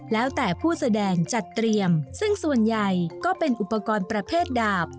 แล้วแต่ผู้แสดงจัดเตรียมซึ่งส่วนใหญ่ก็เป็นอุปกรณ์ประเภทดาบ